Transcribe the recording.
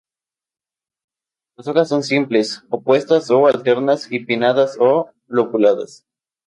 Las hojas son simples, opuestas o alternas y pinnadas o lobuladas.